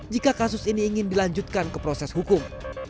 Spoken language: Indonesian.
jika kasus ini ingin dilanjutkan ke proses hukum